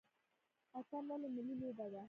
اتن ولې ملي لوبه ده؟